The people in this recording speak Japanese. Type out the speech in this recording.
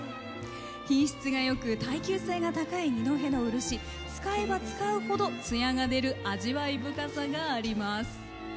品質がよく、耐久性が高い二戸の漆使えば使うほどつやが出る味わい深さがあります。